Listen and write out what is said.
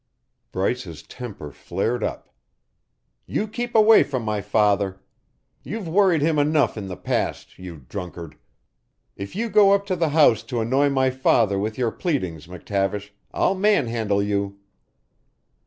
Bryce's temper flared up. "You keep away from my father. You've worried him enough in the past, you drunkard. If you go up to the house to annoy my father with your pleadings, McTavish, I'll manhandle you."